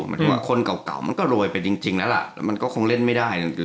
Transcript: เหมือนว่าคนเก่ามันก็โรยไปจริงแล้วล่ะมันก็คงเล่นไม่ได้